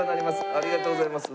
ありがとうございます。